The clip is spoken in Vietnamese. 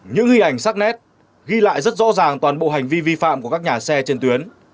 những ghi ảnh sắc nét ghi lại rất rõ ràng toàn bộ hành vi vi phạm của các nhà xe trên tuyến